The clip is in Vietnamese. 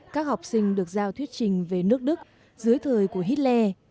các học sinh được giao thuyết trình về nước đức dưới thời của hitler